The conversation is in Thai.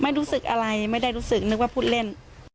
รู้สึกอะไรไม่ได้รู้สึกนึกว่าพูดเล่น